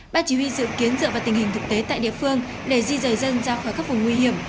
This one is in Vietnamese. ban chỉ huy dự kiến dựa vào tình hình thực tế tại địa phương để di rời dân ra khỏi các vùng nguy hiểm